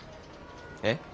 えっ？